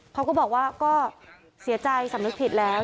เขาก็บอกว่าก็เสียใจสำนึกผิดแล้ว